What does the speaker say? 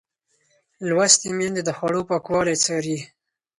لوستې میندې د خوړو پاکوالی څاري.